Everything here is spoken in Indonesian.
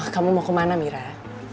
kamu mau ke mana mirah